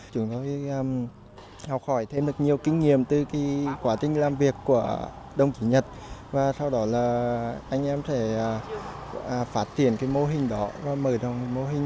chúng tôi học hỏi thêm được nhiều kinh nghiệm từ quá trình làm việc của đồng chí nhật và sau đó là anh em sẽ phát triển cái mô hình đó và mở rộng mô hình